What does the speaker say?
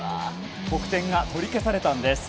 得点が取り消されたんです。